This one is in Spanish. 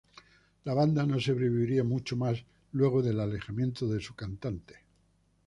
La banda no sobreviviría mucho más luego del alejamiento de su cantante.